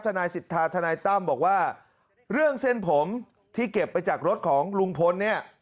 นายสิทธาทนายตั้มบอกว่าเรื่องเส้นผมที่เก็บไปจากรถของลุงพลเนี่ย